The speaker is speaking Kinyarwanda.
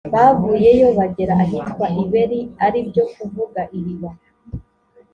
bavuyeyo, bagera ahitwa i beri ari byo kuvuga ’iriba’.